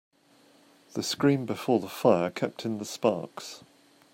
The screen before the fire kept in the sparks.